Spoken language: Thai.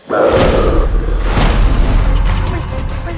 ไม่มีไม่มีอะไร